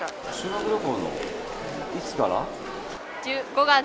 いつから？